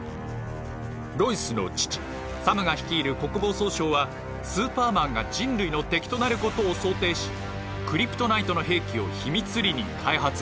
ロイスの父サムが率いる国防総省はスーパーマンが人類の敵となることを想定しクリプトナイトの兵器を秘密裏に開発していたのです。